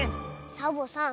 サボさん